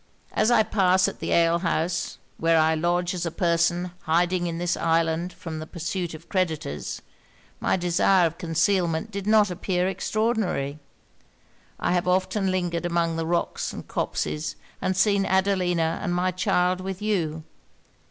As I pass at the ale house where I lodge as a person hiding in this island from the pursuit of creditors, my desire of concealment did not appear extraordinary. I have often lingered among the rocks and copses, and seen Adelina and my child with you.